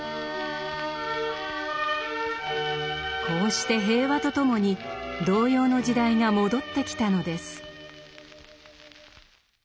こうして平和とともに童謡の時代が戻ってきたのです。